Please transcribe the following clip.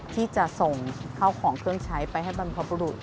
ต้องใช้ไปให้บรรพบุรุษ